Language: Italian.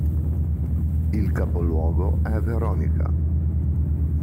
Il capoluogo è Verónica.